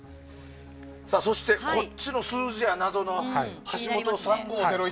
そして、こっちの数字や謎の。はしもと３５０１。